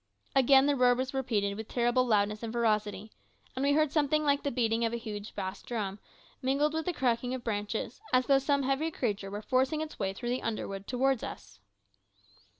Again the roar was repeated with terrible loudness and ferocity, and we heard something like the beating of a huge bass drum, mingled with the cracking of branches, as though some heavy creature were forcing its way through the underwood towards us.